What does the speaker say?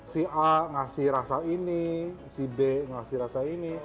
si a ngasih rasa ini si b ngasih rasa ini